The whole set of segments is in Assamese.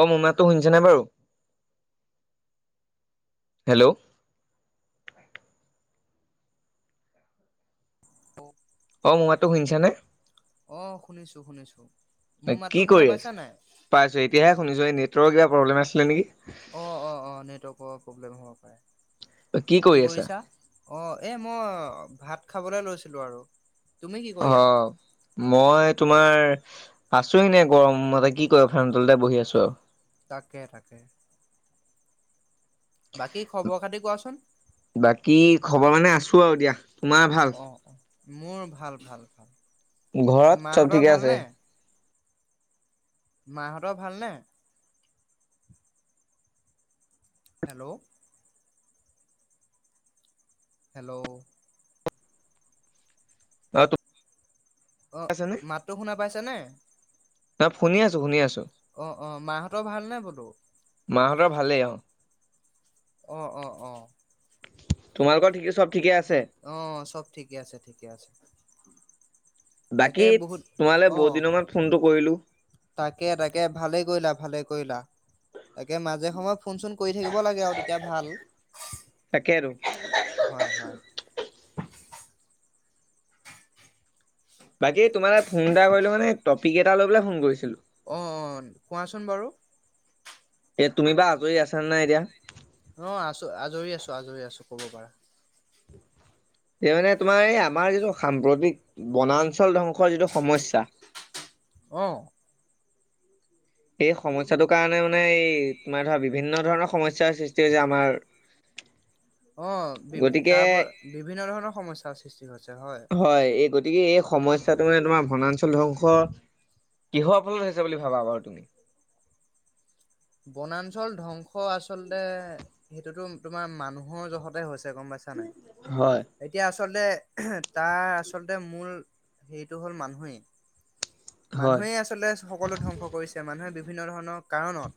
অ', মোৰ মাতটো শুনিছে নে বাৰু? হেল্ল'! [inaudible] অ, মোৰ মাতটো শুনিছেনে? অ, শুনিছো শুনিছো, মোৰ কি মাতটো শুনা কৰি আছা? পাইছা নে পাইছো এতিয়াহে নাই? শুনিছো এই নেটৱৰ্কৰ কিবা প্ৰব্লেম আছিলে নেকি। অ, অ, অ, নেটৱৰ্কৰ প্ৰব্লেম অ'। [unintelligible] কৰি কি আছা কৰিছা? অ, এ মই ভাত খাবলে লৈছিলো আৰু। তুমি কি কৰি অ, আছিলা? মইটো তোমাৰ, আছো এনে, গৰম মানে কি কৰিবা? ফেনৰ তলতে বহি আছো আৰু। তাকে, তাকে। বাকী খবৰ-খাটি কোৱাচোন? মই মানে আছো আৰু দিয়া। তোমাৰ ভাল? অ', অ'। মোৰ ভাল ভাল। এ ঘৰত চব মাহঁতৰ ঠিকে আছে। ভালনে? মাহঁতৰ ভালনে? হেল্ল'! হেল্ল'! অ তোমাৰ অ', আছেনে মাততো শুনা পাইছেনে? ন' শুনি আছোঁ, শুনি আছোঁ। অ', অ', মাহঁতৰ ভালনে বোলো? মাহঁতৰ ভালেই অ অ', অ', অ'। তোমালোকৰ ঠিকেই চব ঠিকে আছে অ', চব ঠিকে আছে, ঠিকে আছে। বাকী তাকে, বহুত তোমালৈ বহুত অ', দিনৰ মূৰত ফোনটো কৰিলো তাকে, তাকে, ভালেই কৰিলা, ভালেই কৰিলা তাকে, মাজ যে, সময় ফোন, চোন কৰি থাকিব লাগে আৰু তেতিয়া ভাল। তাকেতো হয়, হয়। বাকী তোমালে ফোন এটা কৰিলোঁ, মানে এ, টপিক এটা লৈ পেলাই ফোন কৰিছিলোঁ। অ', অ', কোৱাচোন বাৰু। এ, তুমি বা আজৰি আছানে নাই এতিয়া? অ', আছোঁ, আজৰি আছোঁ, আজৰি আছোঁ ক'ব পাৰা। সেই মানে তোমাৰ এই আমাৰ যিটো সাম্প্ৰতিক বনাঞ্চল ধ্বংসৰ যিটো সমস্যা। অহ'। এই সমস্যাটোৰ কাৰণে মানে এই তোমাৰ ধৰা বিভিন্ন ধৰণৰ সমস্যাৰ সৃষ্টি হৈছে আমাৰ। অ' বি গতিকে তাৰ পৰা বিভিন্ন ধৰণৰ সমস্যাৰ সৃষ্টি হৈছে হয়। গতিকে এই সমস্যাটো মানে তোমাৰ বনাঞ্চল ধ্বংসৰ, কিহৰ ফলত হৈছে বুলি ভাবা বাৰু তুমি? বনাঞ্চল ধ্বংস আচলতে সেইটোতো তোমাৰ মানুহৰ জহতে হৈছে। গম পাইছা নাই? হয়, এতিয়া আ আচলতে, তাৰ আচলতে মূল হেৰিটো হ'ল মানুহেই। হয়, মানুহে আচলতে সকলো ধ্বংস কৰিছে মানুহে [unintelligible] বিভিন্ন ধৰণৰ কাৰণত।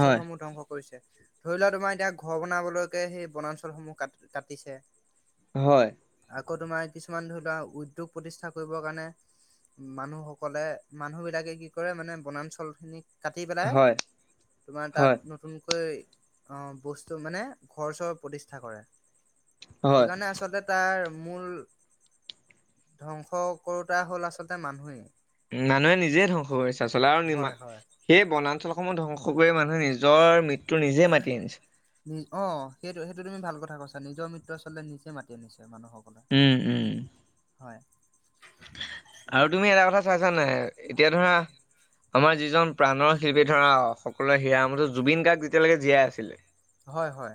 হয়, ধ্বংস কৰিছে। ধৰি লোৱা, তোমাৰ এতিয়া ঘৰ বনাবলৈকে সেই বনাঞ্চলসমূহ কাট-কাটিছে। হয়। আকৌ তোমাৰ কিছুমান ধৰি লোৱা উদ্যোগ প্ৰতিষ্ঠা কৰিবৰ কাৰণে। মানুহসকলে মানুহ বিলাকে কি কৰে মানে বনাঞ্চল খিনিক কাটি পেলাই। হয়, তোমাৰ তাত হয়, নতুনকৈ অ' বস্তু মানে ঘৰ চৰ প্ৰতিষ্ঠা কৰে। হয়। সেইকাৰণে আচলতে তাৰ মূল ধ্বংস কৰোতা হল আচলতে মানুহেই। মানুহে নিজে ধ্বংস কৰিছে আচলতে আৰু নি মা হয় হয়। সেই বনাঞ্চল সমূহ ধ্বংস কৰি মানুহে নিজৰ মৃত ত্যু নিজে মাতি আনিছে। নি অ' সেইটোৱে সেইটো তুমি ভাল কথা কৈছা নিজৰ মৃত্যু আচলতে নিজে মাতি আনিছে মানুহক। উম উম। হয়। আৰু তুমি এটা কথা চাইছানে, এতিয়া ধৰা আমাৰ যিজন প্ৰাণৰ শিল্পী ধৰা সকলোৰে হিয়াৰ আমঠু জুবিন গাৰ্গ যেতিয়ালেকে জীয়াই আছিলে। হয় হয়।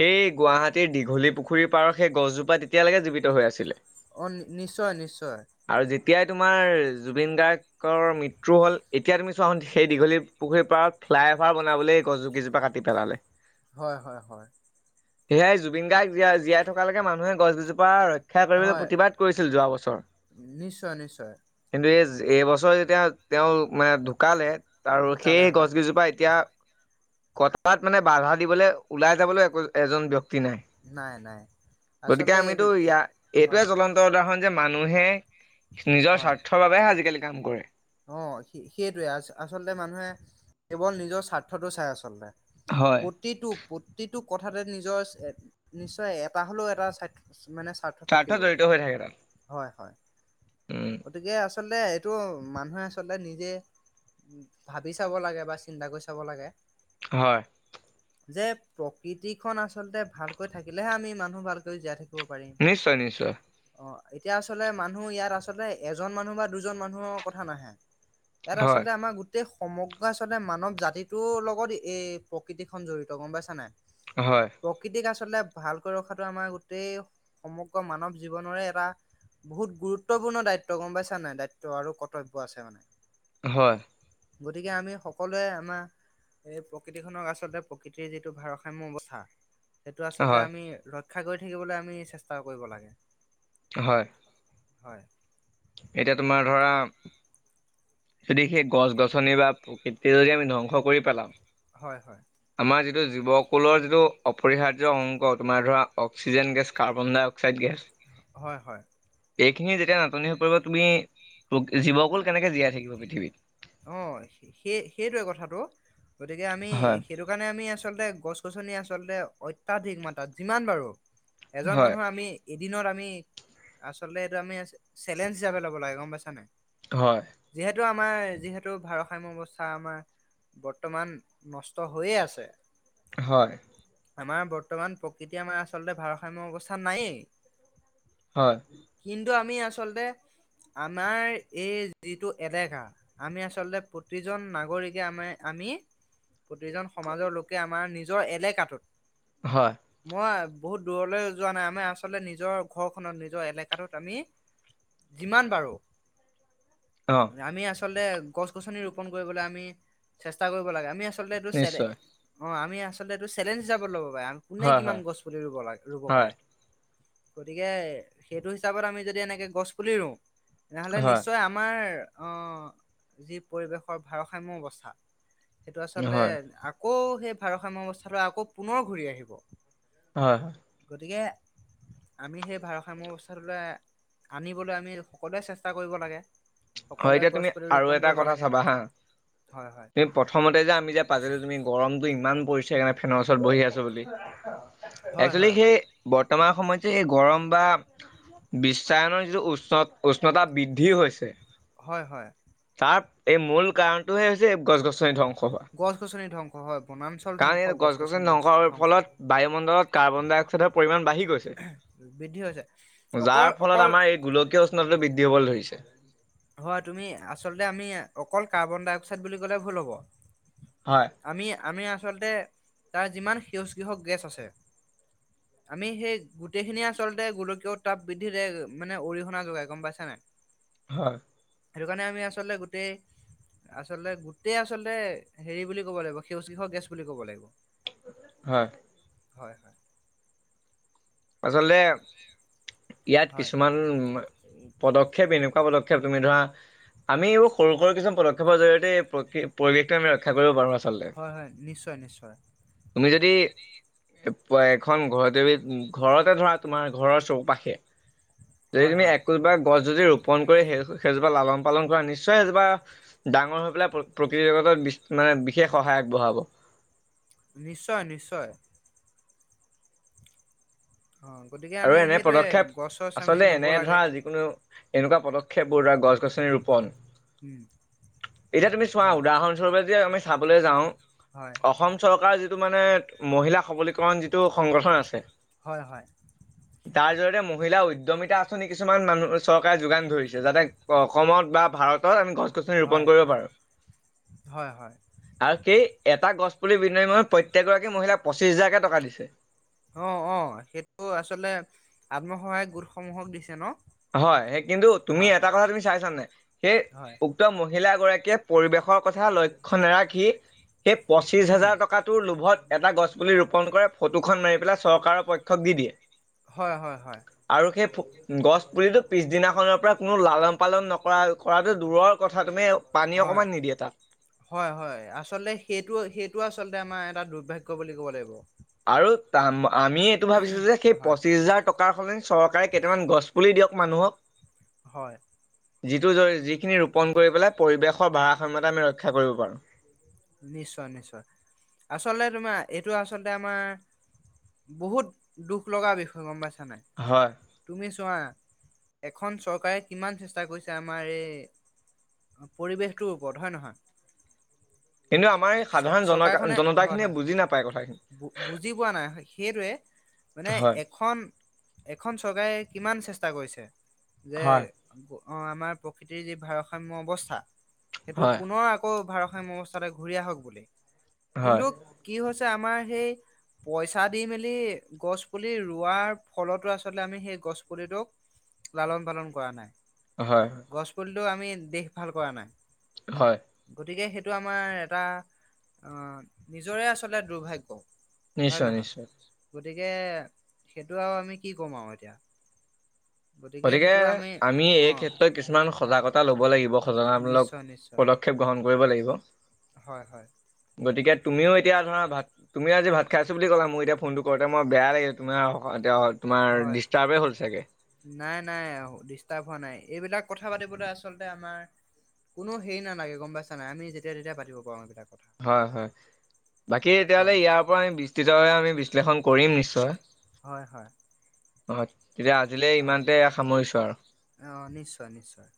সেই গুৱাহাটীৰ দীঘলী পুখুৰীৰ পাৰৰ সেই গছজোপা তেতিয়ালৈকে জীৱিত হৈ আছিলে। অ' নি-নিশ্চয় নিশ্চ শ্চয়। তিয়াই তোমাৰ জুবিন গাৰ্গকৰ মৃত্যু হ'ল, এতিয়া তুমি চোৱাহুন সেই দীঘলী পুখুৰীৰ পাৰত ফ্লাই অভাৰ বনাবলে এই গছ কিজোপা কাটি পেলালে। হয় হয় হয়। সেয়াই জুবিন গাৰ্গ জীয়াই জীয়াই থকালৈকে মানুহে গছ কিজোপাৰ ৰক্ষ ক্ষা কৰিবলৈ হয় প্ৰতিবাদ কৰিছিল যোৱা বছৰ। নিশ্চয় নিশ্চয় এইজ এইবছৰ যেতিয়া তেওঁ মানে ঢুকালে আৰু ঢুকালে সেই হয় গছ গিজোপা এতিয়া কথাত মানে বাধা দিবলে ওলাই যাবলে এজন ব্যক্ত নাই। নাই নাই গতিকে আচলতে এইবিল আমিতো য়া হয় এইটোৱে জ্বলন্ত উদাহৰণ যে মানুহে নিজৰ হয় স্বাৰ্থৰ বাবেহে আজিকালি কাম কৰে। অ, সেইটোৱে আচলতে মানুহে কেৱল নিজৰ স্বাৰ্থটো চাই আচলতে। হয় প্ৰতিটো প্ৰতিত টো কথাতে নিজৰ, নিশ্চয় এটা হলও এটা চা মানে স্বাৰ্থ জড়িত থাকিবই। হৈ থাকে তাত হয় হয়। উম গতিকে আ আচলতে এইটো মানুহে আচলতে নিজে, ভাবি চাব লাগে বা চিন্তা কৰি চাব লাগে। হয়। যে, প্ৰকৃতিখন আচলতে ভালকৈ থাকিলেহে আমি মানুহ ভালকৈ জীয়াই থাকি ব, পাৰিম, নিশ্চয় নিশ্চয় অ'। এতিয়া আচলতে মানুহ ইয়াত আচলতে এজন মানুহ বা দুজন মানুহক কথা নাহে। ইয়াত হয় আচলতে আমাৰ গোট গোটেই সমগ্ৰ আচলতে মানৱ জাতিটো লগত এই প্ৰকৃতি খন জড়িত গম পাইছা নাই? হয় প্ৰকৃতিক আছ। লতে ভালকৈ ৰখাটো আমাৰ গোটেই সমগ্ৰ মানৱ জীৱনৰে এটা বহুত গুৰুত্বপূৰ্ণ দায়িত্ব গম পাইছা নাই দায়িত্ব আৰু কত। কতব্য আছে মানে। হয়। গতিকে আমি সকলোৱে আমা এই প্ৰকৃতিখনক আচলতে প্ৰকৃতিৰ যিটো ভাৰসাম্য বঠা। সেইটো আচলতে হয় আমি ৰ শিক্ষা কৰি থাকিবলৈ আমি চেষ্টা কৰিব লাগে। হয়। হয়। এতিয়া তোমাৰ ধৰা, যদি সেই গছ গছনি বা প্ৰকৃতিয় যদি আমি ধ্বংস কৰি পেলাও? হয় হয় আমাৰ যিটো জীৱকুলৰ যিটো। অপৰিহাৰ্য অংক তোমাৰ ধৰা oxygen gas, carbon dioxide gas. হয়-হয়। এইখিনি যেতিয়া নাটনি হৈ পৰিব তুমি জীৱকুল কেনেকে জীয়াই থাকিব পৃথিৱীত? অ সে সেই সেইটোৱে কথাটো, গতিকে আমি হয় সেইটো কাৰণে আমি আচলতে গছ। গছনি আচলতে অত্যাধিক মাত্ৰাত যিমান বাৰু। এজন হয় মানুহ আমি, এদিনত আমি। আচলতে এইটো আমি চেলেঞ্জ হিচাপে লব লাগে গম পাইছা নাই? হয়। এইটো আমাৰ যিহেতু ভাৰসাম্য অৱস্থা আমাৰ বৰ্তমান নষ্ট হৈয়ে আছে। হয়। আমাৰ বৰ্তমান প্ৰকৃতি আমাৰ আচলতে ভাৰসাম্য অৱস্থাত নায়েই। হয়। কিন্তু আমি আচলতে, আমাৰ এই যিটো এলেকা আমি আচলতে প্ৰতিজন নাগৰিকে আমাৰ আমি প্ৰতিজন সমাজৰ লোকে আমাৰ নিজ নিজৰ এলেকাটোত হয় মই বহুত দূৰলৈ যোৱা নাই আমি আচলতে নিজৰ ঘৰখনত নিজৰ এলেকাটোত আমি যিমান পাৰোঁ অ আমি আছ আচলতে গছ গছনি ৰুপন কৰিবলৈ আমি চেষ্টা কৰিব লাগে আমি আ আচলতেটো চেলে নিশ্চয় অ আমি আচলতে এইটো চেলেঞ্জ হিচাপত লব বাই, কোনে হয় কিমান হয় গছ পুলি ৰুব লাগে ৰুব হয় পাৰে। গতিকে সেইটো হিচাপত আমি যদি এনেকে গছ পুলি ৰুওঁ। তেনেহলে হয় নিশ্চয় আমাৰ আহ যি পৰিৱেশৰ ভাৰসাম্য অৱস্থা সেইটো আচলতে হয় আকৌ সেই ভাৰসাম্য অৱস্থাটো আকৌ পুনৰ ঘূৰি আহিব। হয়। গতিকে, আমি সেই ভাৰসাম্য অৱস্থাটোলৈ আনিবলৈ আমি সকলোৱে চেষ্টা কৰিব লাগে। হয় সকলোৱে এতিয়া গছ তুমি পুলি আৰু ৰোপন এটা কৰিব কথা লাগে। চাবা হা, হয় হয় তুমি প্ৰথম বেজা তুমি যে পালা যে তুমি গৰমটো ইমান পৰিছে সেইকাৰণে ফেনৰ ওচৰত বহি আছো বুলি। হয় একচেলি হয় সেই হয় বৰ্তমান সময়ত যে গৰম বা বিশ্বায়নৰ যিটো উষ্ণ উষ্ণতা বৃদ্ধি হৈছে হয় হয়। আৰু এই মূল কাৰণটোহে হৈছে গছ গছনি ধং গছ গছনি ধ্বং হয় হয়। বনাঞ্চল কাৰণ ধ্বংস এই গছ গছনি ধস- নকৰোৱাৰ ধ্বংস ফলত বায়ুমণ্ডলত কাৰ্বন ডাই অক্সাইডৰ পৰিমাণ বাঢ়ি গৈছে, বৃদ্ধি হৈছে অকল যাৰ অকল ফলত আমাৰ এই গোলকীয় উষ্ণতাটো বৃদ্ধি হ'বলৈ ধৰিছে। হয়, তুমি আচলতে আমি অকল কাৰ্বন ডাই অক্সাইড বুলি কলে ভুল হ'ব হয় আমি আমি আ আচলতে তাৰ যিমান সেউজ গৃহক গেছ আছে, আমি সেই গোটেইখিনিয়ে আচলতে গোলকীয় তাপ বৃদ্ধিৰে মানে অৰিহণা যোগাই গম পাইছে নাই। হয়। সেইটো কাৰণে আমি আচলতে গোটেই, আচলতে গোটেই আচলতে হেৰি বুলি ক'ব লাগিব সেউজগৃহৰ গেছ বুলি ক'ব লাগিব। হয়। হয় হয়। আচলতে ইয়াত হয় কিছুমান পদক্ষেপ এনেকুৱা পদক্ষেপ তুমি ধৰা, আমি এইবোৰ সৰু সৰু কিছু পদক্ষেপৰ জৰিয়তে এই পৰিৱেশটো আমি ৰক্ষা কৰিব পাৰোঁ আছ লতে, হয় হয় নিশ্চয় নিশ্চয় তুমি যদি প এখন ঘৰতেবি ঘৰতে ধৰা, তোমাৰ ঘৰৰ চৌপাশে যদি হয় তুমি হয় একো বা গছ যদি ৰোপন কৰি সেই সেইজোপা লালন পালন কৰা নিশ্চয় সেইজোপা ডাঙৰ হৈ পেলাই প্ৰকৃতি জগতত মানে বিশেষ সহায় আগবঢ়াব। নিশ্চয় নিশ্চয়। অ গতিকে আৰু আমি এনে সেইটোৱে পদক্ষেপ, গছ চছ আমি আচলতে ৰুব এনে লাগে ধৰা যিকোনো এনেকুৱা পদক্ষেপবোৰ দ্বাৰা গছ গছনি ৰোপণ উম এতিয়া তুমি চোৱা হয় উদাহৰণস্বৰূপে যে আমি চাবলৈ যাওঁ হয় অসম চৰকাৰ যিটো টো মানে মহিলা সবলীকৰণ যিটো টো সংগঠন আছে হয় হয় তাৰ জৰিয়তে মহিলা উদ্যমিতা আঁচনি কিছুমান মানুহ চৰকাৰে যোগান ধৰিছে যাতে অসমত বা ভাৰতত আমি গছ গছনী ৰোপন হয় কৰিব পাৰো হয় হয় আৰু সেই এটা গছ বুলি বি প্ৰত্যেকগৰাকী মহিলাক পচিছ হাজাৰকে টকা দিছে। অ' অ', সেইটো আচলতে আত্মসহায়ক গোটসমূহক দিছে ন। হয় সেই কিন্তু তুমি হয় এটা হয় কথা তুমি চাইচা নে নাই, সেই হয় উক্ত মহ মহিলাগৰাকীয়ে পৰিৱেশৰ কথা লক্ষ্য নাৰাখি সেই পঁচিশ উম হাজাৰ টকাটো লোভত এটা গছ পুলি ৰোপন কৰে, ফটোখন মাৰি পেলাই চৰকাৰৰ পক্ষক দি দিয়ে। হয় হয় হয়। আৰু সেই গছ পুলিতো পিছদিনাখনৰ পৰা কোনো লালন পালন নকৰা কৰাটো দূৰৰ কথা তুমি পানী হয় অকমান নিদিয়ে তাত হয় হয়, আচলতে সেইটো সেইটো আচলতে আমাৰ। এটা দুৰ্ভাগ্য বুলি ক'ব লাগিব। আৰু তামা। আমি এইটো ভাবিছো যে, সেই হয় পচিছ হাজাৰ টকা। চৰকাৰে কেইটামান গছপুলি দিয়ক মানুহক। হয়। যিটো যিখিনি ৰোপন কৰি পেলাই পৰিৱেশৰ ভাৰাসাম্য়তা আমি ৰক্ষা কৰিব পাৰো। নিশ্চয় নিশ্চয়, আচলতে তোমাৰ এইটো আচলতে আমাৰ বহুত দুখ লগা বিষয় গম পাইছো। হয় তুমি। চোৱা, এখন চৰকাৰে কিমান চেষ্টা কৰিছে আমাৰ এই পৰিৱেশটোৰ ওপৰত হয় নহয়? কিন্তু আমাৰ এই চ সাধাৰণ জন চৰকাৰখনে জনতা হয় খিনিয়ে হয়, বুজি নাপায় কথাখিনি বুজি পোৱা নাই, সেইটোৱে মানে হয় এখন এখন চৰকাৰে। কিমান চেষ্টা কৰিছে। যে। হয় অ' আমাৰ প্ৰকৃতিৰ যি ভাৰসাম্য অৱস্থা। সেইটো হয় পুনৰ আকৌ ভাৰ। [unintelligible] তে ঘূৰি আহক বুলি। হয় কিন্তু কি হৈছ চে আমাৰ সেই পইচা দি মেলি গছ পুলি ৰোৱাৰ ফলটো আচলতে আমি সেই গছ পুলিটোক লালন পালন কৰা নাই। হয়। গছ পুলিটো আমি দেশ ভাল কৰা নাই। হয় গতিকে সেইট তোমাৰ এটা অ নিজৰে আচলতে দুৰ্ভাগ্য। হয় নিশ্চয় নহয় নিশ্চয়। গতিকে সেইটো আউ আমি কি কম আউ এতিয়া। গতিকে আমি অ এই ক্ষেত্ৰত কিছুমান সজাগতা ল'ব লাগিব, সজনামূলক নিশ্চয় নিশ্চয় পদক্ষেপ গ্ৰহণ কৰিব লাগিব ব। হয় হয়। গতিকে তুমিও এতিয়া ধৰা ভাত তুমিও আজি ভাত খাইছোঁ বুলি ক'লা, মোৰ এতিয়া ফোনটো কৰোঁতে মই বেয়া লাগিলে তোমাৰ আউ এতিয়া আউ। তোমাৰ হয় ডিষ্টাৰ্বে হ'ল চাগে। নাই নাই ডিষ্টাৰ্ব হোৱা নাই, এইবিলাক কথা পাতিবলৈ আচলতে আমাৰ কোনো হেৰি নালাগে গম পাইছা নাই, আমি যেতিয়া তেতিয়া পাতিব পাৰো এইবিলাক। কথা হয় হয়, বাকী এতিয়াহ'লে হয় ইয়াৰ পৰা আমি বিস্তৃতভাৱে আমি বিশ্লেষণ। কৰিম নিশ্চয়। হয় হয়। [unintelligible] তেতিয়া আজিলে অ ইমানতে সামৰিছো আৰু। অ নিশ্চয় নিশ্চয়।